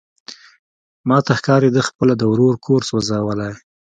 ماته ښکاري ده خپله د ورور کور سوزولی.